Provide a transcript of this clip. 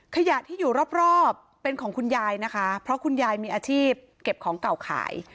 ขยะที่อยู่รอบเป็นของคุณยายนะคะเพราะคุณยายมีอาชีพเก็บของเก่าขาย